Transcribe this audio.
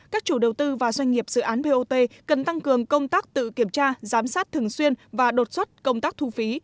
các chủ đầu tư và doanh nghiệp dự án bot cần tăng cường công tác tự kiểm tra giám sát thường xuyên và đột xuất công tác thu phí